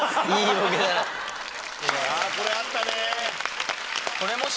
これあったねぇ。